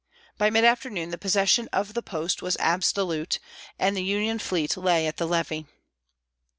By mid afternoon the possession of the post was absolute and the Union fleet lay at the levee.